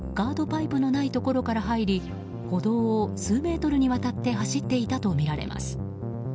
パイプのないところから入り歩道を数メートルにわたって走っていたとみられます。